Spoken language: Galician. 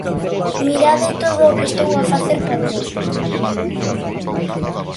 Mirade todo o que estou a facer por vós!